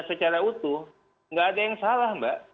secara utuh nggak ada yang salah mbak